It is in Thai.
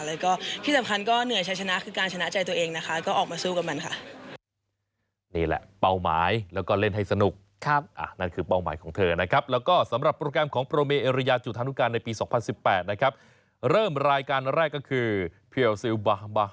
แล้วก็ที่สำคัญก็เหนื่อยชัยชนะคือการชนะใจตัวเองนะคะก็ออกมาสู้กับมันค่ะ